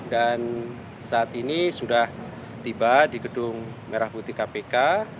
dan saat ini sudah tiba di gedung merah buti kpk